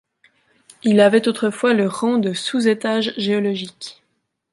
Il avait autrefois le rang de sous-étage géologique.